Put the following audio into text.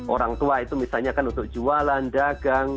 orang tua itu misalnya kan untuk jualan dagang